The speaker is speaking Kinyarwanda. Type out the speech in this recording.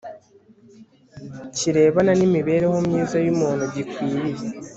kirebana nimibereho myiza yumuntu gikwiriye